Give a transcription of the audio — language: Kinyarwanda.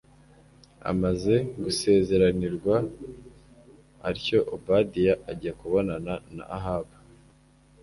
Amaze gusezeranirwa atyo Obadiya ajya kubonana na Ahabu